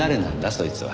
そいつは。